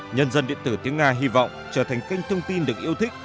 nhân dân điện tử tiếng nga hy vọng trở thành kênh thông tin được yêu thích